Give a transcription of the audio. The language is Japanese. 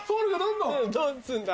どうすんだ？